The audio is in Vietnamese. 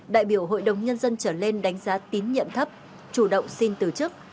đại biểu hội đồng nhân dân trở lên đánh giá tín nhiệm thấp chủ động xin từ chức